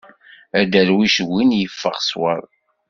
Adarwic d win yeffeɣ swab.